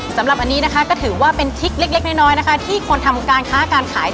สำหรับอันนี้นะคะก็ถือว่าเป็นทิกเล็กน้อยนะคะ